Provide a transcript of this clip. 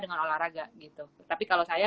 dengan olahraga gitu tapi kalau saya